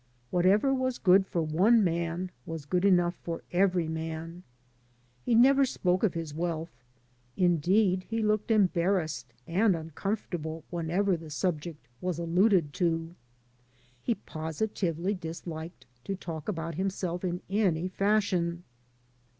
Whatever was good for one man was good enough for every man. He never spoke of his wealth; indeed, he looked embarrassed and un comfortable whenever the subject was alluded to. He positively disliked to talk about himself in any fashion.